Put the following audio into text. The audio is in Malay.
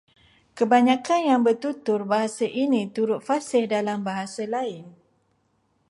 Kebanyakan yang bertutur bahasa ini turut fasih dalam bahasa lain